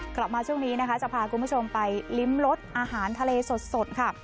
กลับมาช่วงนี้นะคะจะพาคุณผู้ชมไปลิ้มรสอาหารทะเลสดค่ะ